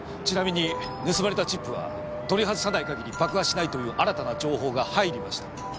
ちなみに盗まれたチップは取り外さない限り爆破しないという新たな情報が入りました。